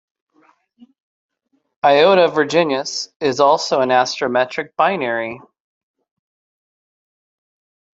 Iota Virginis is also an astrometric binary.